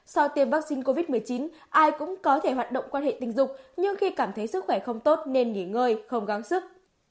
sau tiêm vaccine covid một mươi chín ai cũng có thể hoạt động quan hệ tình dục nhưng khi cảm thấy sức khỏe không tốt nên nghỉ ngơi không gắng sức